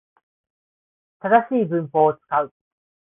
正しい文法を使う